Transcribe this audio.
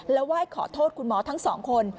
ไหว้ขอโทษคุณหมอทั้งสองคน